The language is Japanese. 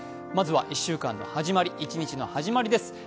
まずは１週間の始まり、一日の始まりです。